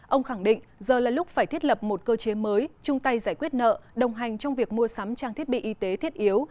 ông khẳng định giờ là lúc phải thiết lập một cơ chế mới chung tay giải quyết nợ đồng hành trong việc mua sắm trang thiết bị y tế thiết yếu